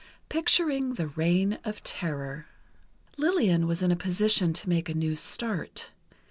XIX PICTURING THE REIGN OF TERROR Lillian was in a position to make a new start.